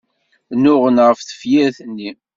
Nnuɣen ɣef tefyirt-nni.